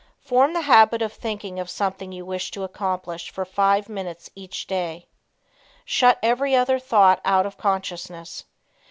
Form the habit of thinking of something you wish to accomplish for five minutes each day. Shut every other thought out of consciousness.